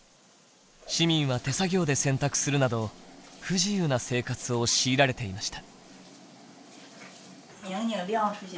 市民は手作業で洗濯するなど不自由な生活を強いられていました。